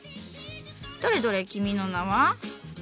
どれどれ君の名は？